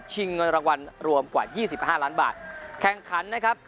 ชิงเงินรางวัลรวมกว่ายี่สิบห้านล้านบาทแข่งขันนะครับ